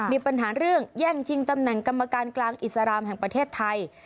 มีปัญหาเรื่องแย่งชิงตำแหน่งกรรมการกลางอิสรามแห่งประเทศไทย